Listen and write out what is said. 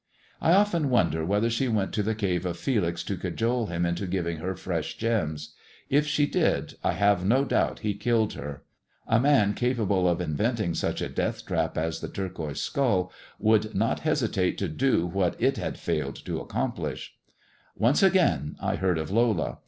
I often wonder whether she went to the cave of Felix to cajole him into giving her fresh gems. K she did I have no doubt he killed her. A man capable of inventing such a death trap as the turquoise skull would not hesitate to do what it had failed to accomplish. 'THE TALE OF THE TURQUOISE SKULL* 247 Once again I heard of Lola.